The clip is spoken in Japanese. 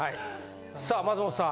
さあ松本さん。